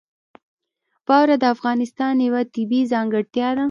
واوره د افغانستان یوه طبیعي ځانګړتیا ده.